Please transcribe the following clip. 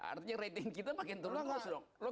artinya rating kita makin turun terus dong